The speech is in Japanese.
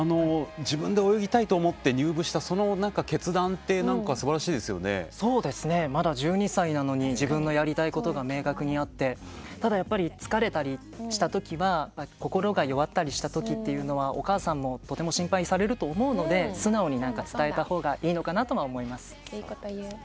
自分で泳ぎたいと思って入部したそうですねまだ１２歳なのに、自分のやりたいことが明確にあってただやっぱり疲れたりしたときは心が弱ったりしたときというのはお母さんもとても心配されると思うので、素直に伝えたほうがいいこと言う。